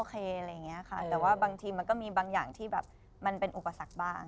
อะไรอย่างนี้ค่ะแต่ว่าบางทีมันก็มีบางอย่างที่แบบมันเป็นอุปสรรคบ้าง